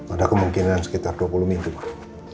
ada kemungkinan sekitar dua puluh minggu pak